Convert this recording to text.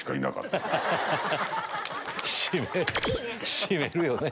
閉めるよね。